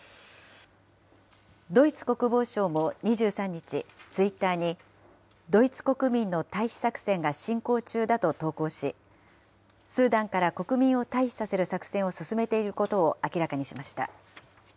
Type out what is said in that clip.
ドイツ国防省も２３日、ツイッターに、ドイツ国民の退避作戦が進行中だと投稿し、スーダンから国民を退避させる作戦を進めていることを明らかにしました。